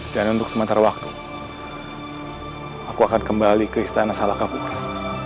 dan untuk sementara waktu aku akan kembali ke istana salakapura